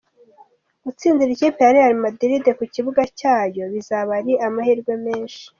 Gutsindira ikipe Real Madrid ku kibuga cyayo bizaba ari amahirwe menshi.